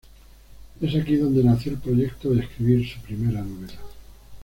Es aquí donde nació el proyecto de escribir su primera novela.